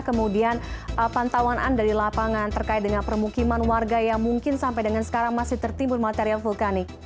kemudian pantauan anda di lapangan terkait dengan permukiman warga yang mungkin sampai dengan sekarang masih tertimbun material vulkanik